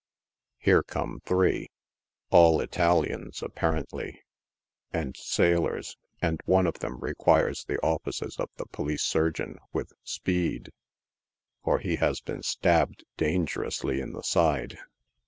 Here come three — all Italians, apparently, and sailors, and one of them requires the offices of the police surgeon with speed, for he has been stabbed dangerously in the side.